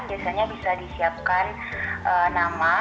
biasanya bisa disiapkan nama